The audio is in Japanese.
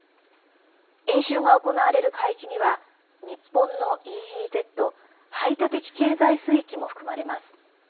演習が行われる海域には日本のＥＥＺ＝排他的経済水域も含まれます。